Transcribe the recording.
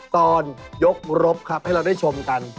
ตอนยกรบครับให้เราได้ชมกัน